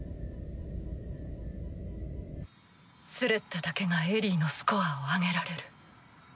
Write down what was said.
スレッタだけがエリィのスコアを上げられる。